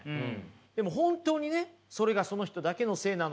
でも本当にねそれがその人だけのせいなのか。